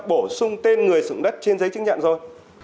bổ sung tên người sử dụng đất trên giấy chứng nhận rồi